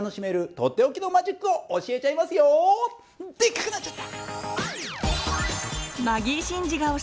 でっかくなっちゃった！